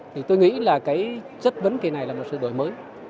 thì tôi nghĩ là cái chất vấn kỳ này là một sự đổi mới